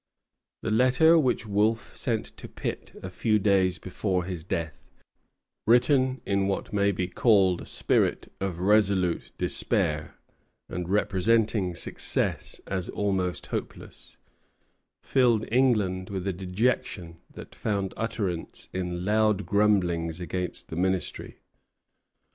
The letter which Wolfe sent to Pitt a few days before his death, written in what may be called a spirit of resolute despair, and representing success as almost hopeless, filled England with a dejection that found utterance in loud grumblings against the Ministry.